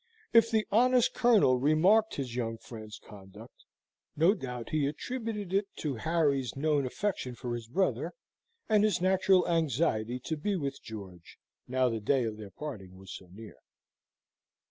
If the honest Colonel remarked his young friend's conduct, no doubt he attributed it to Harry's known affection for his brother, and his natural anxiety to be with George now the day of their parting was so near.